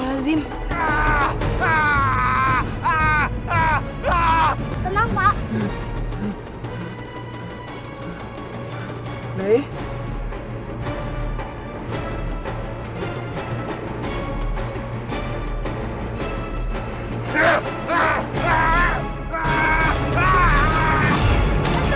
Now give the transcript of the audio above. nanti bangun le